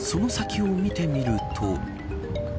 その先を見てみると。